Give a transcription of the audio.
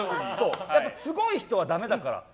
すごい人は、ダメだから。